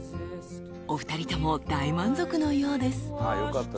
［お二人とも大満足のようです］